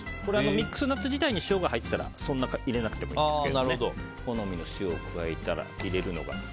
ミックスナッツ自体に塩が入ってたらそんな入れなくてもいいですけど好みの塩を加えます。